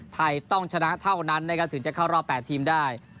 ไทยต้องชนะเท่านั้นนะครับถึงจะเข้ารอบ๘ทีมได้